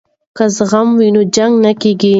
که زغم وي نو جنګ نه کیږي.